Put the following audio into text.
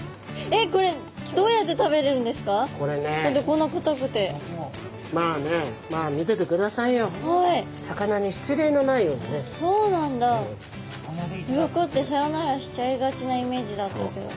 鱗ってさよならしちゃいがちなイメージだったけど。